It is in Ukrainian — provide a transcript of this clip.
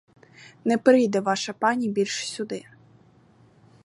Не прийде ваша пані більш сюди.